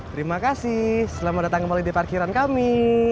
terima kasih selamat datang kembali di parkiran kami